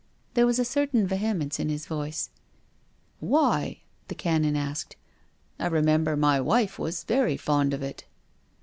THE DEAD CHILD. IQI There was a certain vehemence in his voice. " Why ?" the Canon asked. " I remember my wife was very fond of it."